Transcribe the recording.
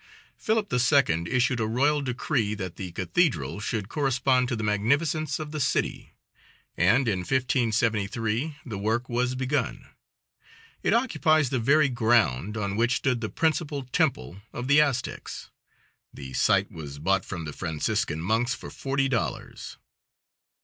Philip II. issued a royal decree that the cathedral should correspond to the magnificence of the city, and in 1573 the work was begun. It occupies the very ground on which stood the principal temple of the Aztecs; the site was bought from the Franciscan monks for forty dollars.